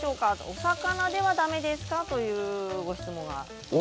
お魚では、だめですか？ということです。